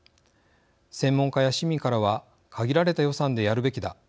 専門家や市民からは限られた予算でやるべきだ